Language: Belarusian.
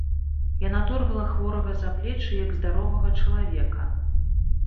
Яна торгала хворага за плечы, як здаровага чалавека.